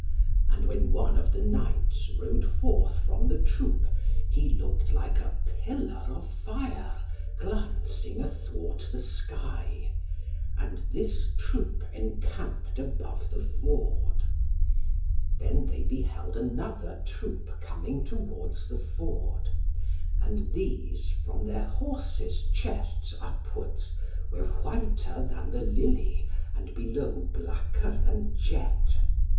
And when one of the knights rode forth from the troop, he looked like a pillar of fire glancing athwart the sky. And this troop encamped above the ford. Then they beheld another troop coming towards the ford, and these from their horses' chests upwards were whiter than the lily, and below blacker than jet.